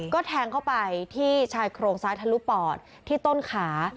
ก็แทงเข้าไปที่ชายโครงซ้ายทะลุปอดที่ต้นขา